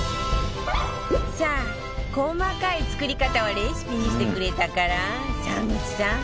さあ細かい作り方はレシピにしてくれたから沢口さん